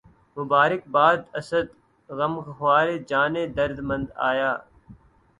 مبارک باد اسد، غمخوارِ جانِ درد مند آیا